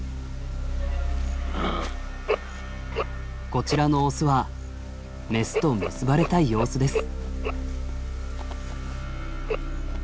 こちらのオスはメスと結ばれたい様子です。